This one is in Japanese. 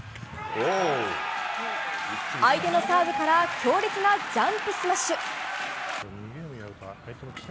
相手のサーブから強烈なジャンプスマッシュ。